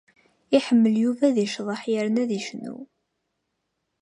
Iḥemmel Yuba ad yecḍeḥ yerna ad yecnu.